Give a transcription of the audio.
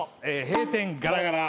閉店ガラガラ。